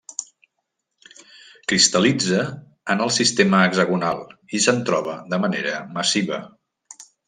Cristal·litza en el sistema hexagonal, i se'n troba de manera massiva.